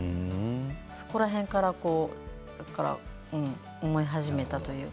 そこら辺から思い始めたというか。